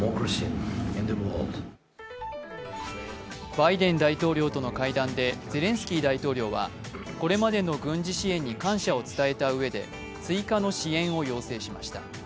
バイデン大統領との会談でゼレンスキー大統領はこれまでの軍事支援に感謝を伝えたうえで追加の支援を要請しました。